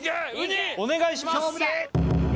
お願いします